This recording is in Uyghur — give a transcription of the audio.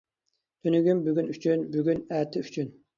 تۈنۈگۈن بۈگۈن ئۈچۈن، بۈگۈن ئەتە ئۈچۈن.